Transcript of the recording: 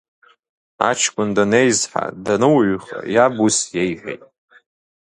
Аҷкәын данеизҳа, дануаҩха, иаб ус иеиҳәит…